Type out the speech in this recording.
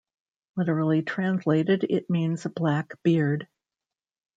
Literally translated, it means black beard.